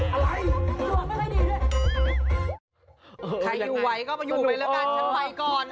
ใครอยู่ไว้ก็มาอยู่ไว้แล้วกันฉันไปก่อน